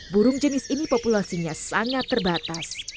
burung jenis ini populasinya sangat terbatas